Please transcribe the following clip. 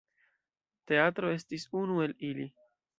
Teatro estis unu el ili.